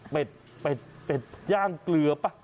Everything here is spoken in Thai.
เป็ดเป็ดย่างเกลือป่ะ